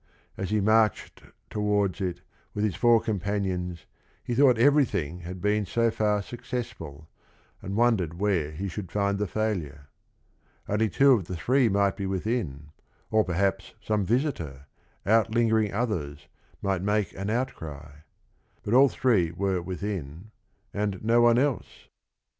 As he marched towards it with his four companions he thought everything had been so far success ful, and wondered where he should find the failure. Only two of the three might be within, or perhaps some visitor, outlingering others, might make an outcry. But all three were within and no one else.